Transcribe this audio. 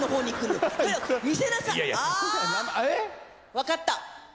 わかった！